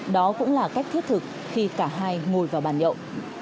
đó cũng là cách thiết thực khi cả hai ngồi vào bàn nhậu